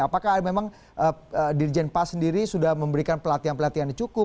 apakah memang dirjen pas sendiri sudah memberikan pelatihan pelatihan yang cukup